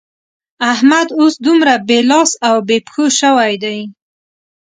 احمد اوس دومره بې لاس او بې پښو شوی دی.